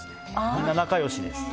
みんな仲良しです。